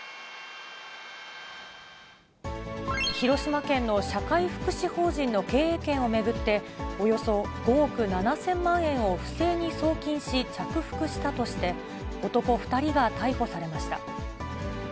広島県の社会福祉法人の経営権を巡って、およそ５億７０００万円を不正に送金し、着服したとして、男２人が逮捕されました。